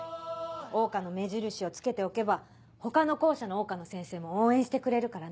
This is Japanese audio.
桜花の目印を付けておけば他の校舎の桜花の先生も応援してくれるからね。